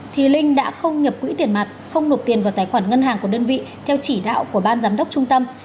thì linh đã không nhập quỹ tiền mặt không nộp tiền vào tài khoản ngân hàng của đơn vị theo chỉ đạo của ban giám đốc trung tâm